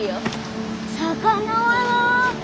魚はなあ。